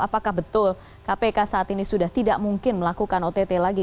apakah betul kpk saat ini sudah tidak mungkin melakukan ott lagi